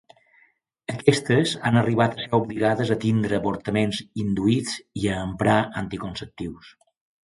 Aquestes han arribat a ser obligades a tindre avortaments induïts i a emprar anticonceptius.